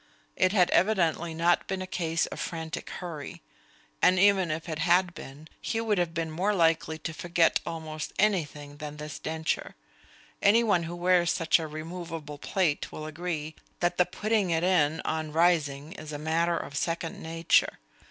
It had evidently not been a case of frantic hurry; and even if it had been, he would have been more likely to forget almost anything than this denture. Any one who wears such a removable plate will agree that the putting it in on rising is a matter of second nature.